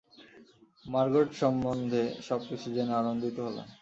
Margot সম্বন্ধে সব কিছু জেনে আনন্দিত হলাম।